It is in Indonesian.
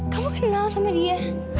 kamu kenal sama dia